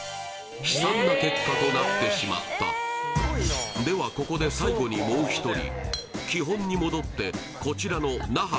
悲惨な結果となってしまったではここで最後にもう１人基本に戻ってこちらの「那覇」